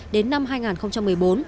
đến năm hai nghìn một mươi bốn